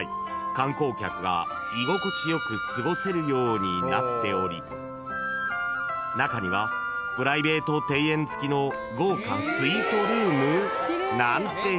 観光客が居心地良く過ごせるようになっており中にはプライベート庭園付きの豪華スイートルーム？なんて部屋もあるんです］